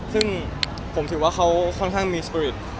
ซึ่งผมถือว่าเขาค่อนข้างมีสปีริต